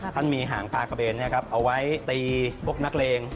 ท่านมีหางปลากระเบนเอาไว้ตีพวกนักเลง